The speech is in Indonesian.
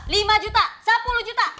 lima juta sepuluh juta